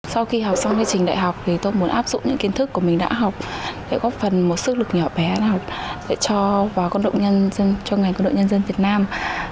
sau khi học xong kế trình đại học thì tôi muốn áp dụng những kiến thức của mình đã học để góp phần một sức lực nhỏ bé để cho vào con động nhân dân cho ngành con động nhân dân việt nam